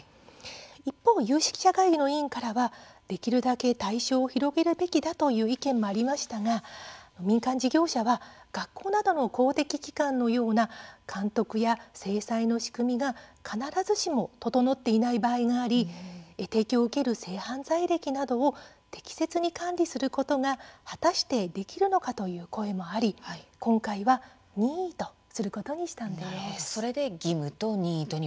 一方、有識者会議の委員からはできるだけ対象を広げるべきだという意見もありましたが民間事業者は学校などの公的機関のような監督や制裁の仕組みが必ずしも整っていない場合があり提供を受ける性犯罪歴などを適切に管理することが果たしてできるのかという声もあり今回は任意とすることがすることにしたんです。